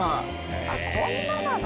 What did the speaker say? あっこんななの？